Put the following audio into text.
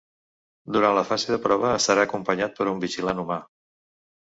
Durant la fase de prova, estarà acompanyat per un vigilant humà.